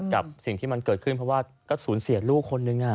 กับสิ่งที่มันเกิดขึ้นเพราะว่าก็สูญเสียลูกคนนึง